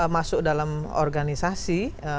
masuk dalam organisasi